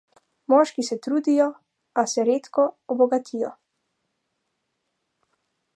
Moški se trudijo, a se redko obogatijo.